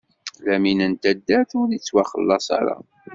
Lamin n taddart, ur ittwaxellaṣ ara.